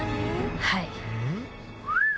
はい。